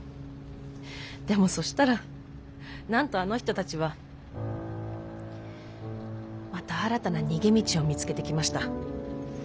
でもそしたらなんとあの人たちはまた新たな逃げ道を見つけてきました。